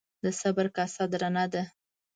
د صبر کاسه درنه ده.